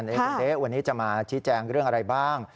คุณเต๊ะวันนี้จะมาชี้แจงเรื่องอะไรบ้าง